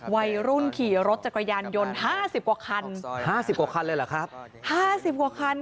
วัยรุ่นขี่รถจักรยานยนต์๕๐กว่าคัน